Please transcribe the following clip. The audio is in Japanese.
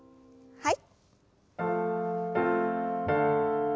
はい。